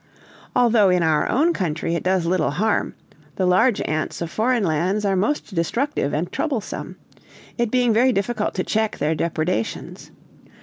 Although, in our own country it does little harm, the large ants of foreign lands are most destructive and troublesome; it being very difficult to check their depredations.